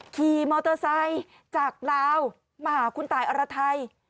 ขี่มอเตอร์ไซค์จากลาวมาหาคุณตายอรไทย